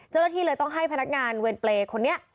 เจ้าหน้าที่เลยต้องให้พนักงานเวรเปรย์คนนี้